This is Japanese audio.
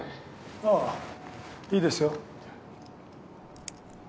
ああいいですよ。